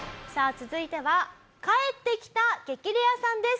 続いては帰ってきた激レアさんです。